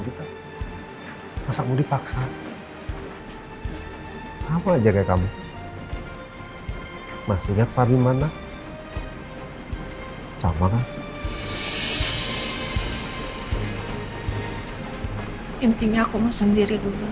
kita pasang dipaksa sama aja kayak kamu masih gak pak gimana sama intinya aku mau sendiri dulu